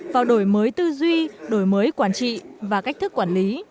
vào đổi mới tư duy đổi mới quản trị và cách thức quản lý